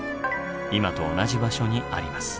今と同じ場所にあります。